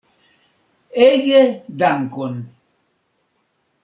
Ege dankon!